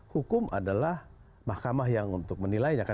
hukum adalah mahkamah yang untuk menilainya